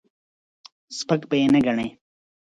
سپک به یې نه ګڼې.